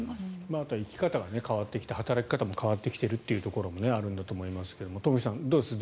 あとは生き方が変わってきて働き方も変わってきているということがあるんだと思いますが東輝さん、どうですか。